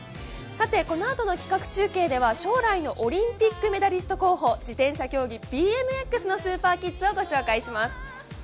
このあとの企画中継では将来のオリンピックメダリスト候補自転車競技、ＢＭＸのスーパーキッズをご紹介します。